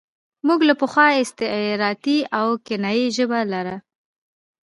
موږ له پخوا استعارتي او کنايي ژبه لاره.